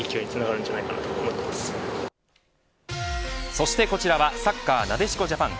そしてこちらは、サッカーなでしこジャパン。